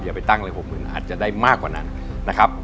อย่าไปตั้งเลย๖หมื่นอาจจะได้มากกว่านั้นนะครับ